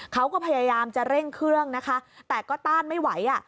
เขาก็พยายามจะเร่งเครื่องนะคะแต่ก็ต้านไม่ไหวอ่ะ